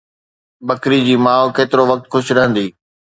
ٻڪريءَ جي ماءُ ڪيترو وقت خوش رهندي؟